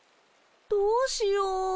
どうしよう。